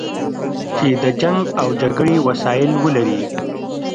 چې د جنګ او جګړې وسایل ولري.